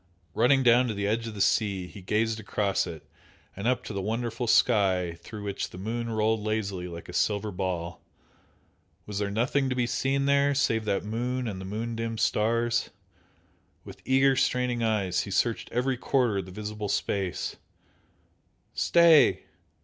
Running down to the edge of the sea he gazed across it and up to the wonderful sky through which the moon rolled lazily like a silver ball. Was there nothing to be seen there save that moon and the moon dimmed stars? With eager straining eyes he searched every quarter of the visible space stay!